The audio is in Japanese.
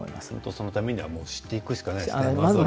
そのためには知っていくしかないですね。